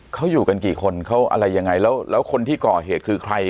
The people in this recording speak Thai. เขาอยู่กันกี่คนเขาอะไรยังไงแล้วแล้วคนที่ก่อเหตุคือใคร